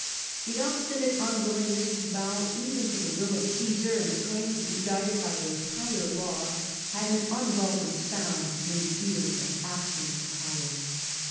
The obstinate unwillingness to bow even to the will of Caesar, and the claim to be guided by a higher law, had an unwelcome sound in the ears of absolute power.